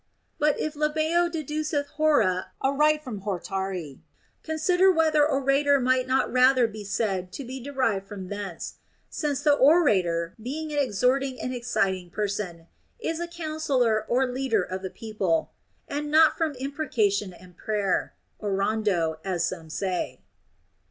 But if Labeo deduceth Mora aright from hortari, consider whether orator may not rather be said to be derived from thence, — since the ora tor, being an exhorting and exciting person, is a counsellor or leader of the people, — and not from imprecation and prayer (orando), as some say.